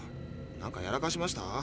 なんかやらかしました？